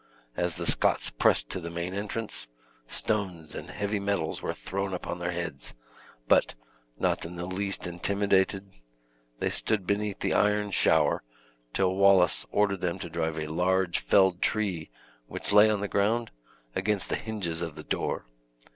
As the Scots pressed to the main entrance, stones and heavy metals were thrown upon their heads; but, not in the least intimidated, they stood beneath the iron shower, till Wallace ordered them to drive a large felled tree, which lay on the ground, against the hinges of the door.